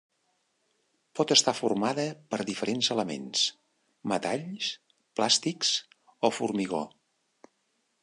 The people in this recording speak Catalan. Pot estar formada per diferents elements: metalls, plàstics o formigó.